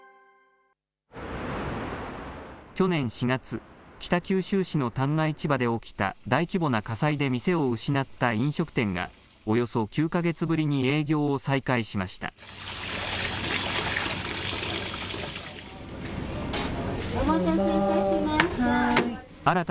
去年４月、北九州市の旦過市場で起きた大規模な火災で店を失った飲食店が、およそ９か月ぶりに営業を再開しました。